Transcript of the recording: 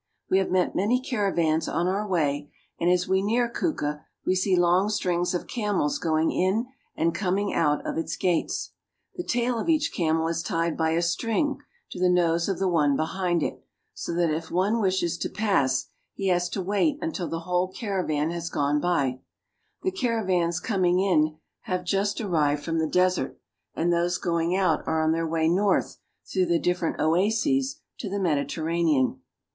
We have met many caravans on our way, and as we near ABOUT KUKA AND LAKE TCHAD 167 Kuka we see long strings of camels going in and coming out of its gates, Tiie tail of eacii camul is tied by a string to the nose of the one behind it, so that if one wishes to pass he has to wait until the whole caravan has gone by. The caravans coming in have just arrived from the desert, and those going out are on their way north through the different oases to the Mediterranean.